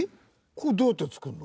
これどうやって作るの？